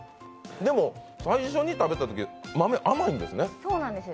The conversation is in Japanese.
でも最初に食べたとき豆、甘いんですね。